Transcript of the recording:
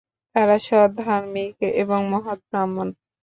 তারা সৎ, ধার্মিক এবং মহৎ ব্রাহ্মণ।